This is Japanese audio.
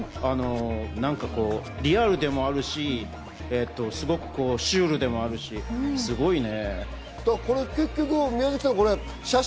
なんかリアルでもあるし、すごくシュールでもあるし、すごいね。